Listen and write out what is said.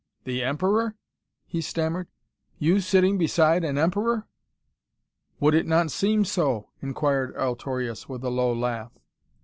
"The Emperor?" he stammered. "You sitting beside an Emperor?" "Would it not seem so?" inquired Altorius with a low laugh.